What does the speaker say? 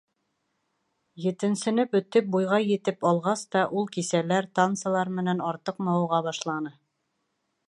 Етенсене бөтөп, буйға етеп алғас та, ул кисәләр, тансалар менән артыҡ мауыға башланы.